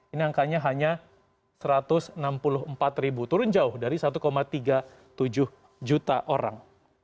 ini angkanya hanya satu ratus enam puluh empat ribu turun jauh dari satu tiga puluh tujuh juta orang